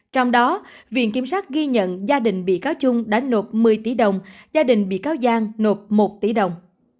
trong đó viện kiểm sát ghi nhận gia đình bị cáo trung đã nộp một mươi tỷ đồng gia đình bị cáo giang nộp một tỷ đồng